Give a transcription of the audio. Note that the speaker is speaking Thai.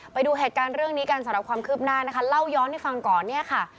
ไปดูเหตุการณ์เรื่องนี้กันสำหรับความคืบหน้านะคะเล่าย้อนให้ฟังก่อนเนี่ยค่ะ